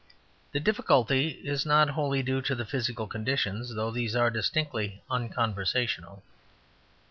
The difficulty is not wholly due to the physical conditions, though these are distinctly unconversational.